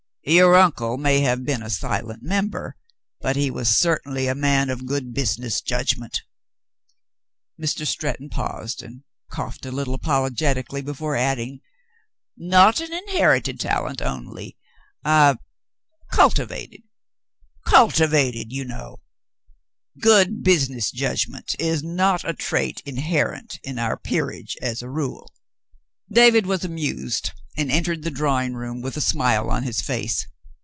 Your uncle may have been a silent member, but he was certainly a man of good busi ness judgment —" Mr. Stretton paused and coughed a little apologetically before adding: "Not an inherited talent, only — ah — cultivated — cultivated — you know. Good business judgment is not a trait inherent in our peer age, as a rule." David was amused and entered the drawing room with a smile on his face.